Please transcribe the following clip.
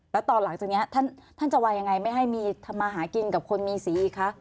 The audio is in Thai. แล้วตอนหลังจากนี้ท่านจะว่ายังไงไม่ให้มีทำมาหากินกับคนมีสีอีกคะ